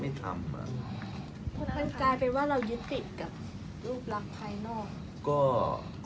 มันกลายเป็นว่าเรายึดติดกับรูปลักษณ์ภายนอกก็